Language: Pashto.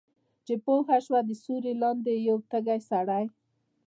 چې پوهه شوه د سیوری لاندې یې یو تږی سړی